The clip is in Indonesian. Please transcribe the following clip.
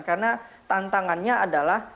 karena tantangannya adalah